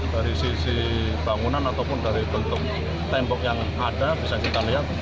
dari sisi bangunan ataupun dari bentuk tembok yang ada bisa kita lihat